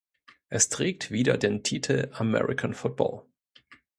Es trägt wieder den Titel "American Football".